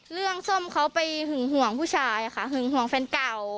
ส้มเขาไปหึงห่วงผู้ชายค่ะหึงห่วงแฟนเก่า